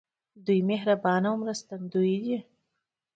دوی مهربان او مرستندوی دي.